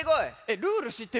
ルールしってる？